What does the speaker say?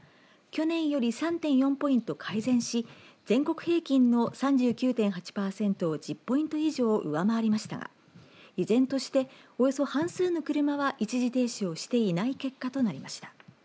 去年より３．４ポイント改善し全国平均の３９．８パーセントを１０ポイント以上上回りましたが依然として、およそ半数の車は一時停止をしていない結果となりました。